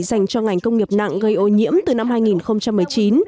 dành cho ngành công nghiệp nặng gây ô nhiễm từ năm hai nghìn một mươi chín